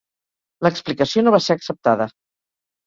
L'explicació no va ser acceptada.